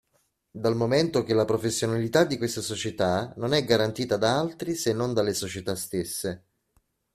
Dal momento che la professionalità di queste società non è garantita da altri se non dalle società stesse.